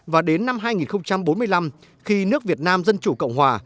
và đến năm hai nghìn bốn mươi năm khi nước việt nam dân chủ cộng hòa